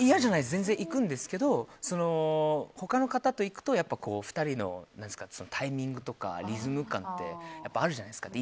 全然行くんですけど他の方と行くと２人のタイミングとかリズム感ってやっぱりあるじゃないですか。